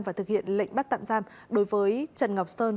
và thực hiện lệnh bắt tạm giam đối với trần ngọc sơn